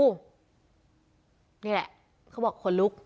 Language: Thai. นี่แหละเขาบอกขนลุก